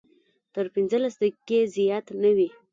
تر پنځلس دقیقې زیات نه وي.